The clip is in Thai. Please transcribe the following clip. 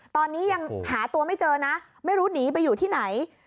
ตอนนี้ยังหาตัวไม่เจอนะไม่รู้หนีไปอยู่ที่ไหน